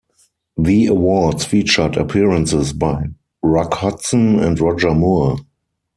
The awards featured appearances by Rock Hudson and Roger Moore.